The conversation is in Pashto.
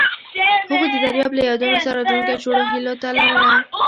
هغوی د دریاب له یادونو سره راتلونکی جوړولو هیله لرله.